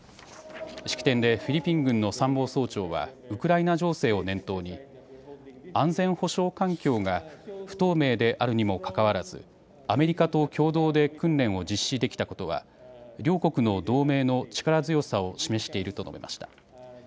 式典でフィリピン軍の参謀総長は、ウクライナ情勢を念頭に、安全保障環境が不透明であるにもかかわらず、アメリカと共同で訓練を実施できたことは、両国の同盟の力強さを示していると述べました。